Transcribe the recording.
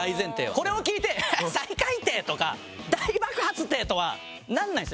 これを聞いて「最下位って」とか「大爆発って」とはならないんですよ。